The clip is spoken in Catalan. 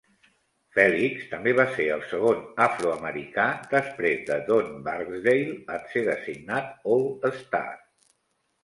Felix també va ser el segon afroamericà, després de Don Barksdale, en ser designat All-Star.